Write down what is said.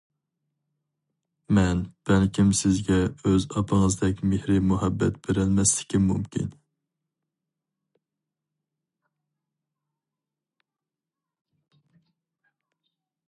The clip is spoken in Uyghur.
مەن بەلكىم سىزگە ئۆز ئاپىڭىزدەك مېھرى مۇھەببەت بېرەلمەسلىكىم مۇمكىن.